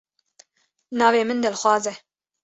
Navê min Dilxwaz e.